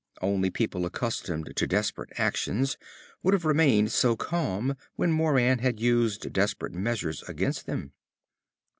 Only people accustomed to desperate actions would have remained so calm when Moran had used desperate measures against them.